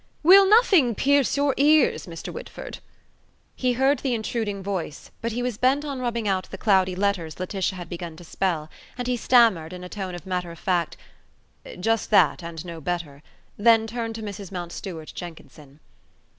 " Will nothing pierce your ears, Mr. Whitford?" He heard the intruding voice, but he was bent on rubbing out the cloudy letters Laetitia had begun to spell, and he stammered, in a tone of matter of fact: "Just that and no better"; then turned to Mrs. Mountstuart Jenkinson.